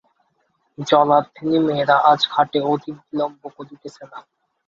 জলার্থিনী মেয়েরা আজ ঘাটে অধিক বিলম্ব করিতেছে না।